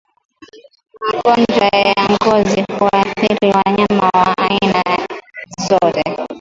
Magonjwa ya ngozi huathiri wanyama wa aina azote